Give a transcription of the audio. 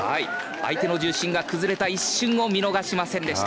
相手の重心が崩れた一瞬を見逃しませんでした。